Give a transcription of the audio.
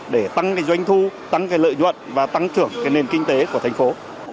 để tăng doanh thu tăng lợi nhuận và tăng trưởng nền kinh tế của thành phố